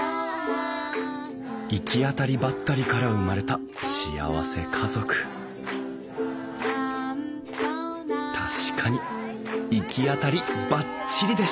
いきあたりばったりから生まれた幸せ家族確かにいきあたりバッチリでした！